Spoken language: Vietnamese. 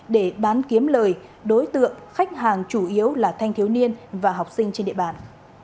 để bán kiếm lời đối tượng khách hàng chủ yếu là thanh thiếu niên và học sinh trên địa bàn